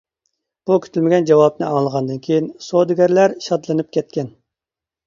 بو كۈتۈلمىگەن جاۋابنى ئاڭلىغاندىن كېيىن سودىگەرلەر شادلىنىپ كەتكەن.